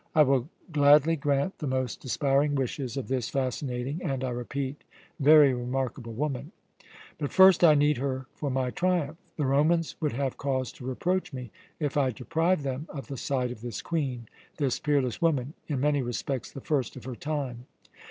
I will gladly grant the most aspiring wishes of this fascinating and, I repeat, very remarkable woman, but first I need her for my triumph. The Romans would have cause to reproach me if I deprived them of the sight of this Queen, this peerless woman, in many respects the first of her time.